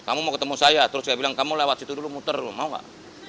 kamu mau ketemu saya terus saya bilang kamu lewat situ dulu muter mau gak